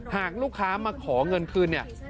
หากลูกค้ามาขอเงินคืนเนี่ย